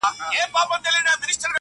• اوس مي بُتکده دزړه آباده ده..